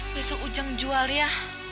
besok ujang jual ya